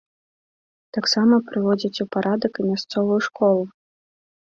Таксама прыводзяць у парадак і мясцовую школу.